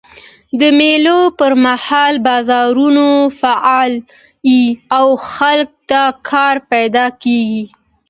د مېلو پر مهال بازارونه فعاله يي او خلکو ته کار پیدا کېږي.